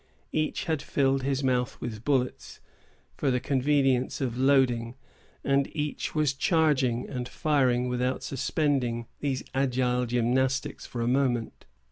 Each had filled his mouth with bullets, for the convenience of loading, and each was charging and firing without suspending these agile gymnastics for a moment.